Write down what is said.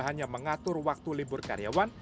hanya mengatur waktu libur karyawan